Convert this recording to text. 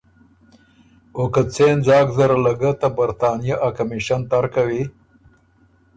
او که څېن ځاک زره له ګۀ ته برطانیه ا کمیشن تر کوی